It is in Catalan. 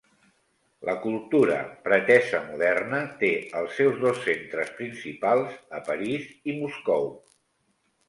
La cultura pretesa moderna té els seus dos centres principals a París i Moscou.